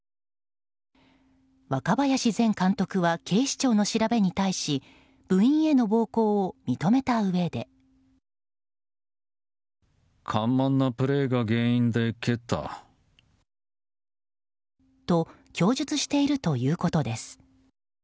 若林前監督は警視庁の調べに対し部員への暴行を認めたうえで。と供述しているということです。